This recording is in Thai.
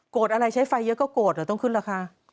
กวดอะไรใช้ไฟเยอะก็กวดหรือต้องขึ้นราคา